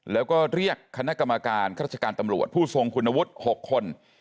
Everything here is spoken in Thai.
แล้วก็เรียกคณะกรรมการข้าราชการตำรวจผู้ทรงคุณวุฒิ๖คน